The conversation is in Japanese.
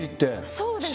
そうですね。